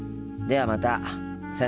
ではまた。